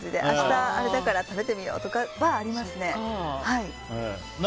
明日、あれだから食べてみよう！とかはありますね。